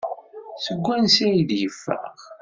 Seg wansi ay d-yeffeɣ?